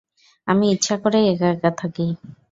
আমি ইচ্ছা করেই একা একা থাকি।